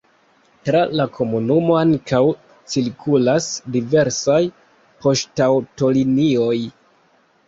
Tra la komunumo ankaŭ cirkulas diversaj poŝtaŭtolinioj.